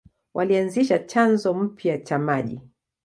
Walianzisha chanzo mpya cha maji.